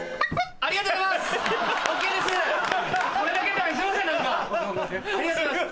ありがとうございますＯＫです！